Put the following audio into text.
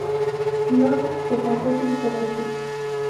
Loder se casó cinco veces.